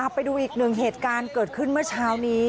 ไปดูอีกหนึ่งเหตุการณ์เกิดขึ้นเมื่อเช้านี้